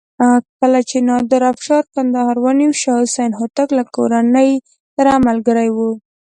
کله چې نادر افشار کندهار ونیو شاه حسین هوتک له کورنۍ سره ملګری و.